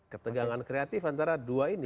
ketegangan kreatif antara dua ini